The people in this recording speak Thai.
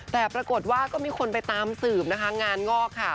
แต่ปรากฏว่าก็มีคนไปตามสืบนะคะงานงอกค่ะ